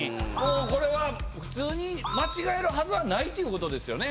これは普通に間違えるはずはないっていうことですよね。